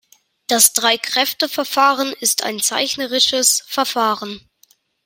Das Drei-Kräfte-Verfahren ist ein zeichnerisches Verfahren.